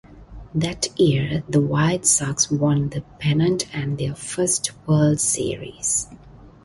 That year, the White Sox won the pennant and their first World Series.